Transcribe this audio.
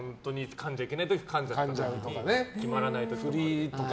かんじゃいけない時にかんじゃったりして決まらなかったりとか。